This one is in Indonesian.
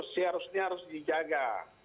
seharusnya harus dijaga